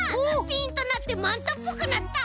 ピンッとなってマンタっぽくなった！